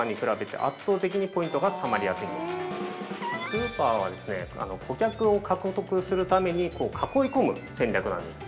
スーパーは顧客を獲得するために囲い込む戦略なんです。